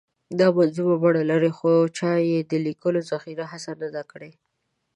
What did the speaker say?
دا منظومه بڼه لري خو چا یې د لیکلې ذخیرې هڅه نه ده کړې.